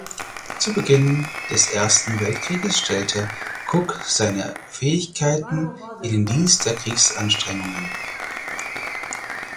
Zu Beginn des Ersten Weltkriegs stellte Cook seine Fähigkeiten in den Dienst der Kriegsanstrengungen.